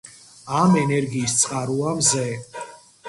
ამ ენერგიის წყაროა მზე.